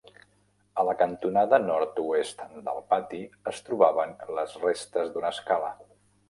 A la cantonada nord-oest del pati es trobaven les restes d'una escala.